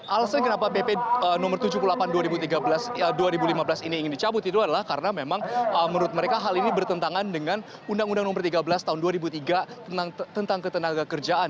alasan kenapa pp no tujuh puluh delapan dua ribu lima belas ini ingin dicabut itu adalah karena memang menurut mereka hal ini bertentangan dengan undang undang nomor tiga belas tahun dua ribu tiga tentang ketenaga kerjaan